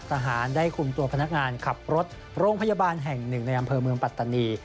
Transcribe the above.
ทหารได้คุมตัวพนักงานขับรถโรงพยาบาลแห่งหนึ่งในอำเภอเมืองปัตตานี